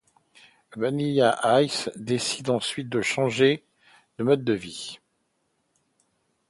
Vanilla Ice décide ensuite de changer de mode de vie.